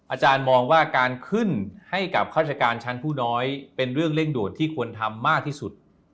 อาจารย์มองว่าการขึ้นให้กับข้าราชการชั้นผู้น้อยเป็นเรื่องเร่งด่วนที่ควรทำมากที่สุด